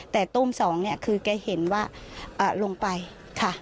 แต่ตู้ม๒เนี่ยคือแกเห็นว่าลงไปค่ะ